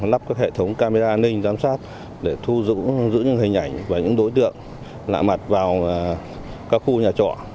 lắp các hệ thống camera an ninh giám sát để thu giữ những hình ảnh và những đối tượng lạ mặt vào các khu nhà trọ